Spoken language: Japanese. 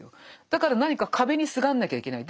だから何か壁にすがんなきゃいけない。